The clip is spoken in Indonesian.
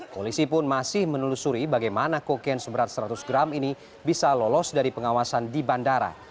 polisi pun masih menelusuri bagaimana kokain seberat seratus gram ini bisa lolos dari pengawasan di bandara